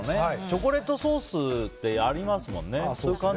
チョコレートソースってありますものね。